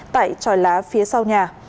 tại tròi lá phía sau nhà